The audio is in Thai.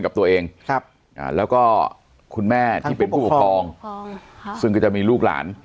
กับตัวเองแล้วก็คุณแม่ที่เป็นผู้ปกครองซึ่งก็จะมีลูกหลาน